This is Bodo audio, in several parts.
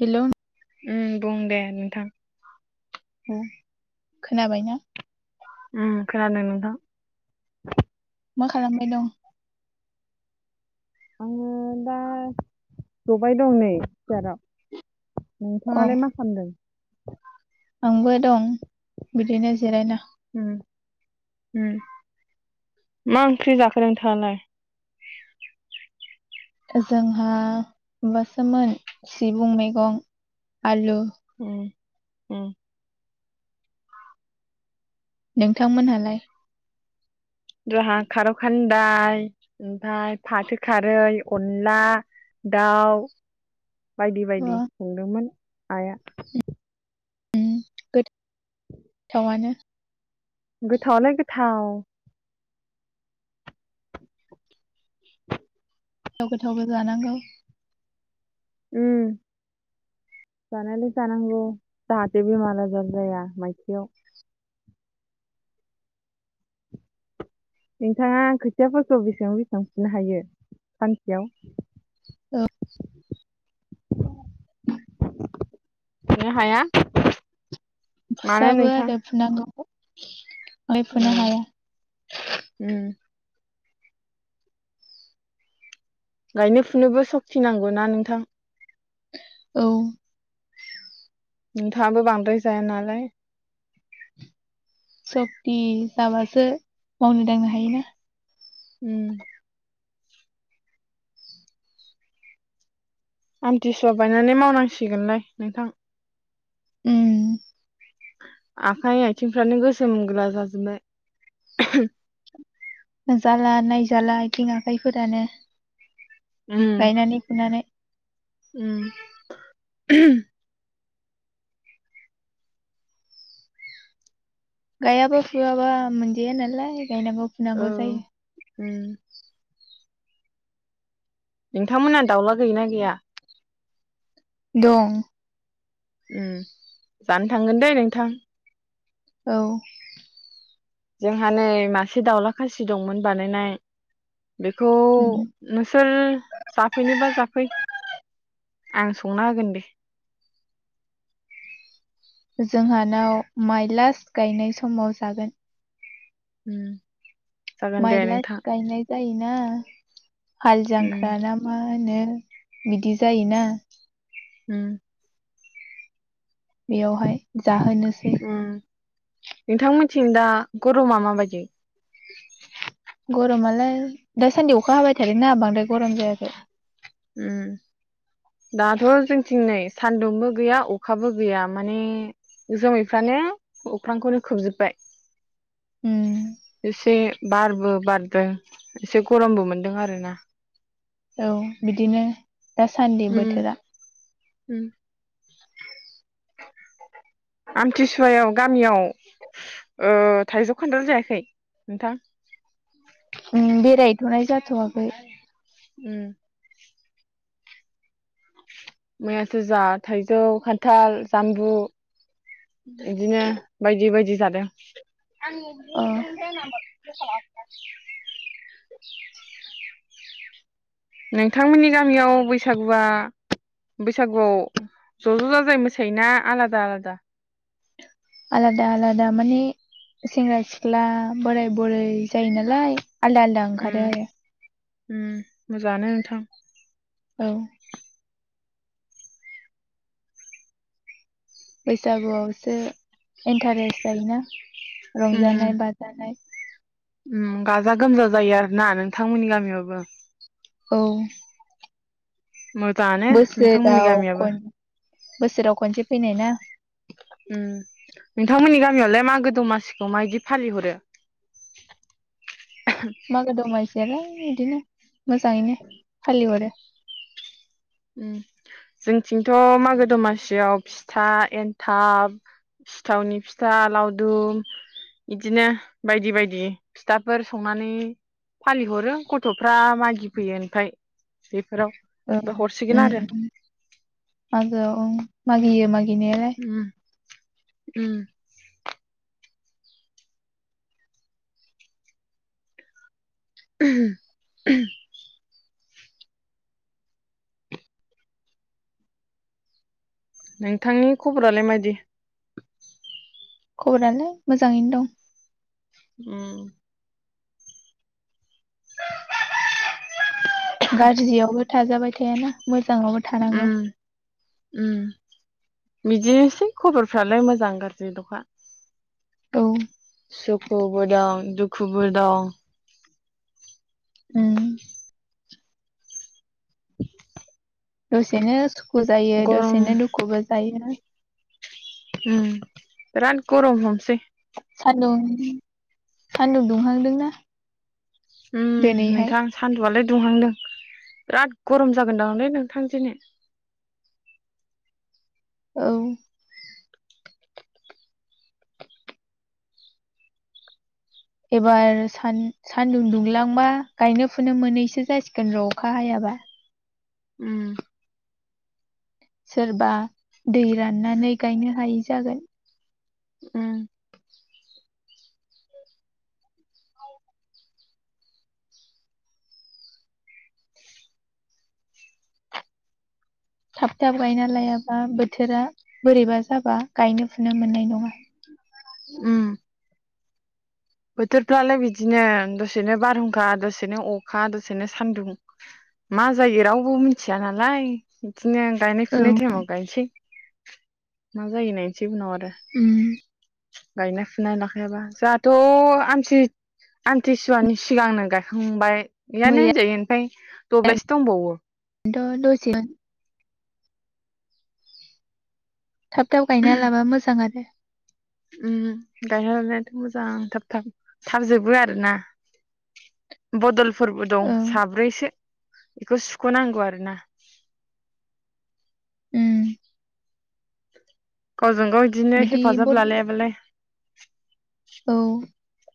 हेलो उम बुं दे नोंथां। औ खोनाबायना? उम खोनादों नोंथां मा खालामबाय दं आङो दा जबाय दं नै सियाराव अ नोंथाङालाय मा खालामदों [inaudible] आंबो दं बिदिनो जिरायना । उम उम मा ओंख्रि जाखो नोंथाङालाय? जोंहा माबासोमोन सिबुं मैगं आलु । उम ओम नोंथांमोनहालाय? जोहा खार' खान्दाय ओमफ्राय फाथो खारै अनला दाउ बायदि अ बायदि संदोंमोन आइया । ओम गो थावानो । गोथावालाय गोथाव । थाव गोथावबो जानांगौ । उम जानायालाय जानांगौ जाहाथे बेमार आजार जाया मानसिनाव । नोंथाङा खोथिया फोरखौ बेसेबां बेसेबां फिनो हायो सानसेयाव? औ । नो हाया मानो फुसाबो नोंथां आरो फुनांगौ [unintelligible] बांद्राय फुनो उम हाया । उम गायनो फुनोबो सक्ति नांगौना नोंथां । औ । नोंथाङाबो बांद्राय जाया नालाय सक्ति थाबासो मावनो दांनो हायोना । उम आमथिसुवा बायनानै मावनांसिगोनलाय नोंथां । उम आखाइ आयथिंफ्रानो गोसोम गोला जाजोबबाय । होनजाला नायजाला आयथिं आखाइफोरानो उम गायनानै फुनानै । उम गायाबा फुवाबा मोनजाया नालाय गायनांगौ औ फुनांगौ जायो । उम नोंथांमोनहा दाउला गैना गैया? दं । ओम जानो थांगोन दे नोंथां । औ जोंहा नै मासे दावउला खासि दंमोन बानायनाय बेखौ उम नोंसोर जाफैनोबा जाफै आं संना होगोन दे । जोंहानाव माइ लास्ट गायनाय समाव जागोन । उम । माइलाय गायनाय जायो ना। हाल उम जांख्रााना मा होनो। बिदि जायोना। उम बेयावहाय। जाहोनोसै। उम नोंथांमोनथिं दा गरमा माबायदि गरमालाय दासान्दि अखा हाबाय थादों ना बांद्राय गरम जायाखै। उम दाथ' जोंथिं नै सान्दुंबो गैया अखाबो गैया माने जोमैफ्रानो अख्रांखौनो खोबजोबाय उम एसे बारबो बारदों एसे गरमबो मोनदों आरोना। औ बिदिनो। दासान्दि उम बोथोरा। उम। [inaudible] आमथिसुवायाव गामियाव ओ थाइजौ खान्थाल जायाखै नोंथां उम बेरायहैथ'नाय जाथ'वाखै। उम मैयासो जा थाइजौ खान्थाल जामबु बिदिनो बायदि बायदि जादों। ओ। [inaudible] नोंथांमोननि गामियाव बैसागुआ बैसागुआव ज' ज' जाजाय मोसायोना आलादा आलादा आलादा आलादा माने सेंग्रा सिख्ला बोराय बुरै जायो नालाय। आलदा आलदा ओंखारो। उम उम। मोजाङानो नोंथां। औ बैसागुआवसो इन्टारेस्ट जायोना उम रंजानाय बाजानाय। उम गाजा गोमजा जायो आर ना नोंथांमोननि गामियावबो उम मोजाङानो नोंथांमोननि गामियाबो। खन बोसोराव खनसे फैनाय ना। उम नोंथांमोननि गामियावलाय मागो दमासिखौ मायदि फालिहरो मागो दमासियालाय। इदिनो। मोजाङैनो फालिहरो। ओ जोंथिंथ' मागो दमासियाव फिथा एन्थाब सिथावनि फिथा लावदुम बिदिनो बायदि बायदि फिथाफोर संनानै फालिहरो गथ'फ्रा मागि फैयो ओमफ्राय बेफोराव। ओ बा हरसिगोन उम आरो ओ मागो ओं। मागियो मागि गिनायालाय उम उम [inaudible] नोंथांनि खबरालाय मायदि? खबरानो मोजाङैनो दं। उम गाज्रियावबो थाजाबाय थायाना मोज जाङावबो थानांगौ। उम उम बिदिनोसै खबरफ्रालाय मोजां गाज्रि दफा औ सुखुबो दं दुखुबो दं। उम [inaudible] दसेनोस सु खु जायो गरम दसेनो दुखुबो जायो। उम बिराद गरम हमसेै। सानदुं सानदुं दुंहांदोंना उम दिनैहाय नोंथां सान्दुंआलाय दुंहांदों बिराद गरम जागोन दांलै नोंथां दिनि औ एबार सान सानदुं दुंलांबा गायनो फुनो मोनैसो जासिगोन र' अखा हायाबा उम सोरबा दै राननानै गायनो हायै जागोन। उम थाब थाब गायना लायाबा बोथोरा बोरैबा जाबा गायनो फुनो मोननाय नङा। उम बोथोरफ्रालाय बिदिनो दसेनो बारहुंखा दसेनो अखा दसेनो सान्दुं मा जायो रावबो मिथिया नालाय। दिनो गायनाय औ फुनाय टाइमाव गायसै। मा जायो नायसै उनाव आथ उम गायनाय फुनाय लाखायाबा जाहाथ' थ' आमथि आमथिसुवानि सिगांनो गायखांबाय। गैयानो मैयाथ' होनजायो ओमफाय दब्लायसे दंबावो। अ दसेनो थाब थाब गायना लाबा मोजां आरो उम गायना लानायाथ' मोजां थाब थाब थाब जोबो आरो ना बदलफोरबो दं औ साब्रैसो बेखौ सुख'नांगौ आरो ना उम गावजों गाव इदिनो बिदि हेफाजाब बद लालायाबालाय [inaudible] औ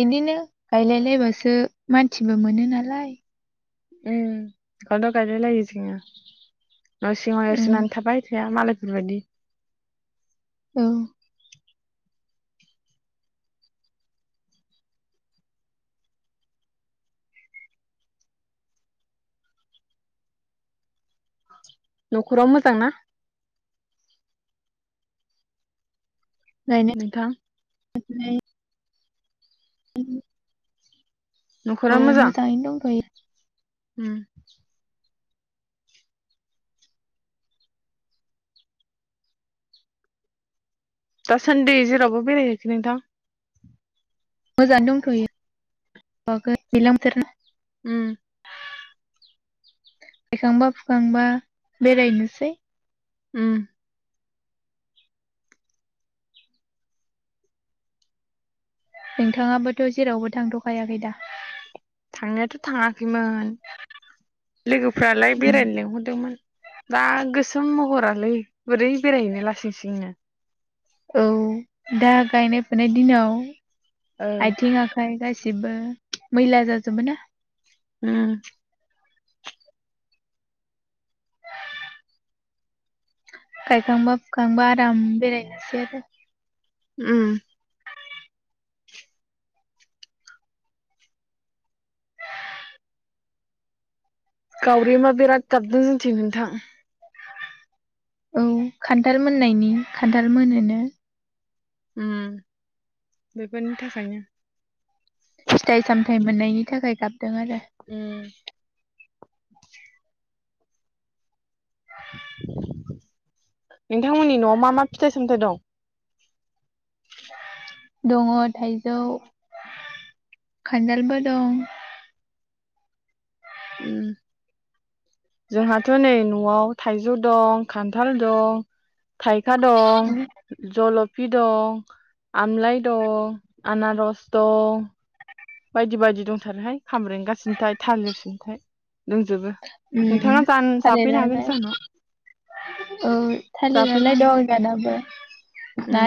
बिदिनो गायलायलायबासो मानसिबो मोनो नालाय उम फाला गायलायलायो जोंना न सिङाव उम एरसोनानै थाबाय मालायफोर बायदि औ न'खराव मोजां ना नोंथां मनाय [inaudible] [unintelligible] न'खरा औ मोजां मोजङैनै दंथयो उम दा सनडि जेरवबो बेरायहैनयाखै नोंथां मोजाङ दंथ'यो दैलांथोरना [inaudible] [unintelligible] उ गायखांबा फुखांबा बेरायनोसै उ नोंथाङाबोथ' जेरावबो थांथ'खायाखै दा थांनायाथ' थाङाखै लोगोफ्रालाय बेरायनो लिंहरदोंमोन दा गोसो महरालै बोरै बेरायहैनो लासिंसिं नो औ दा गायनाय फुनाय दिनाव आथिं आखाइ गासिबो मैला जाजोबो ना [inaudible] [unintelligible] गायखांबा फुखांबा आराम बेरायनोसै आरो उम गावरिमा बिराद गाबदों जोंथि नोंथां औ खान्थाल मोननायनि खान्थाल मोनोनो उ बेफोरनि थाखायनो फिथाइ सामथायाइ मोननायनि थाखाय गाबदों आरो उम नोंथांमोननि न'आव मा मा फिथाइ सामथाइ दं दङ थाइजौ खान्थालबो दं जोंहाथ' नै न'आव थाइजौ दं खान्थाल दं खा दं जल फि दं आमलााय दं, आनारस दं बायदि बायदि दंथारोहाय खामब्रेंगा सिनथाय थालिर सिनथाय जाफैनो हागोन थालिरालाय जाहानाव औ जाफैनो थालिरालाय हागोन दं दानाबो उम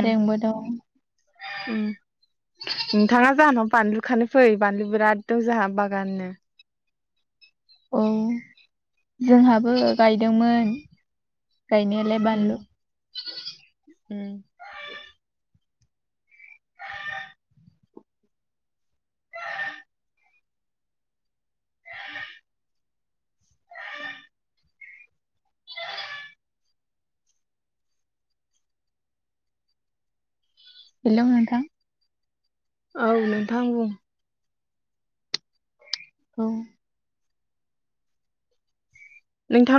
उम नोंथाङा जोहानाव बानलु खानो फै बानलु बिराद दं जोंहा बागाननो औ जोंहाबो गायदोंमोन गायनायालाय उम बानलु उम। हेल' नोंथां औ नोंथां बुं औ। नोंथां